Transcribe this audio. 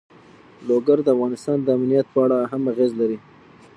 لوگر د افغانستان د امنیت په اړه هم اغېز لري.